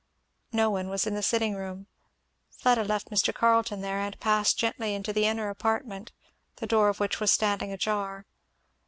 No one was in the sitting room. Fleda left Mr. Carleton there and passed gently into the inner apartment, the door of which was standing ajar.